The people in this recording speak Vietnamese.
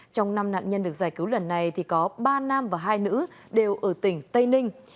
trong năm nạn nhân được giải cứu lần này thì có ba nam và hai nữ đều ở tỉnh tây ninh